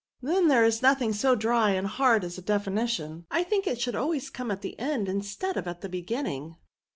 Then there is nothing so dry and hard as a definition ; I think it should always come in at the end instead of at the beginning.''